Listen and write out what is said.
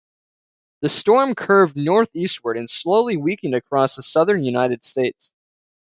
The storm curved northeastward and slowly weakened across the Southern United States.